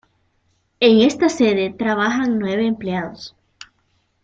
En esta sede trabajan nueve empleados.